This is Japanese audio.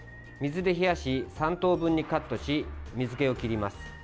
水で冷やし、３等分にカットし水けを切ります。